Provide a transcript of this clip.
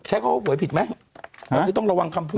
แชคเข้าหวยผิดไหมต้องระวังคำพูด